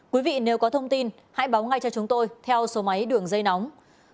quý vị nếu có thông tin hãy báo ngay cho chúng tôi theo số máy đường dây nóng